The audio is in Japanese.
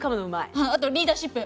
あっあとリーダーシップ。